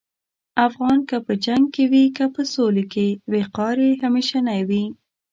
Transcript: افغان که په جنګ کې وي که په سولې کې، وقار یې همیشنی وي.